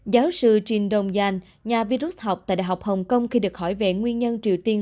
giáo sư jin dong jan nhà vi rút học tại đại học hồng kông khi được hỏi về nguyên nhân triều tiên